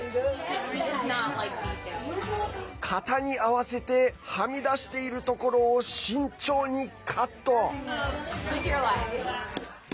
型に合わせてはみ出しているところを慎重にカット！